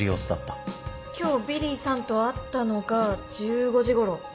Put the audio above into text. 今日ビリーさんと会ったのが１５時ごろ。